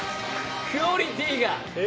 クオリティーが。